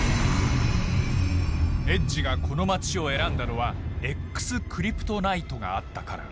エッジがこの町を選んだのはＸクリプトナイトがあったから。